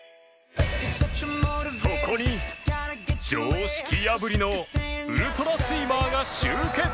そこに常識破りのウルトラスイマーが集結